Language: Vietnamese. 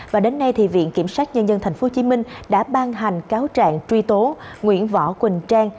và đến nay thì viện kiểm sát nhân dân tp hcm đã ban hành cáo trạng truy tố nguyễn võ quỳnh trang